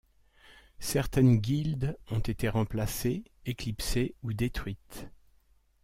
Certaines guildes ont été remplacées, éclipsées ou détruites.